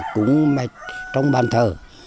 cúng mạch trong bàn thờ